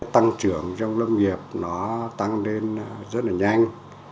tăng trưởng trong lâm nghiệp nó tăng lên rất là nhanh